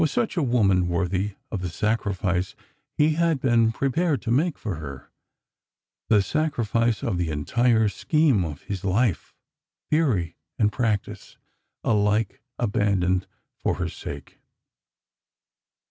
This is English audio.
207 was Buch a woman worthy of the sacrifice he had been prepared to make for her — the sacrifice of the entire scheme of his life ; theory and practice alike abandoned for her sake?